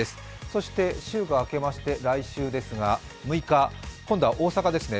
そして週が明けまして来週、６日、今度は大阪ですね。